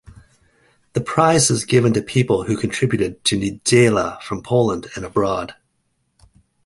The prize is given to people who contributed to "Niedziela" from Poland and abroad.